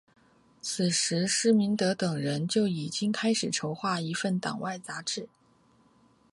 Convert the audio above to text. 此时施明德等人就已经开始筹划一份党外杂志。